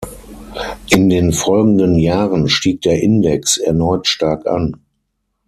In den folgenden Jahren stieg der Index erneut stark an.